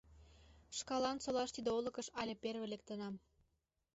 Шкалан солаш тиде олыкыш але первый лектынам.